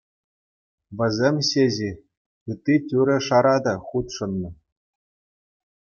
Вӗсем ҫеҫ-и, ытти тӳре-шара та хутшӑннӑ.